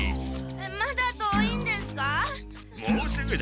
まだ遠いんですか？